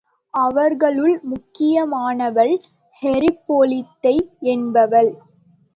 அவர்களுள் முக்கியமானவள் ஹிப்போலிதை என்பவள்.